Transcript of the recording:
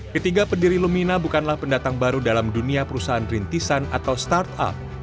ketiga pendiri lumina bukanlah pendatang baru dalam dunia perusahaan rintisan atau startup